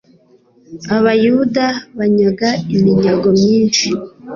Abayuda banyaga iminyago myinshi